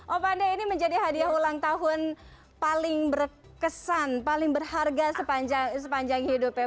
oh panda ini menjadi hadiah ulang tahun paling berkesan paling berharga sepanjang hidup ya